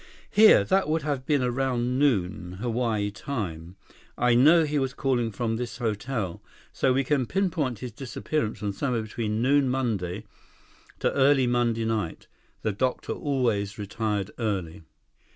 Here, that would have been around noon, Hawaii time. I know he was calling from this hotel. So, we can pinpoint his disappearance from sometime between noon Monday, to early Monday night. The doctor always retired early."